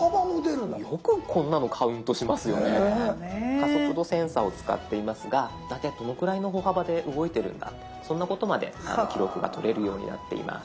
加速度センサーを使っていますが大体どのくらいの歩幅で動いてるんだそんなことまで記録がとれるようになっています。